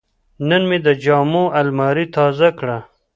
نن مې د جامو الماري تازه کړه.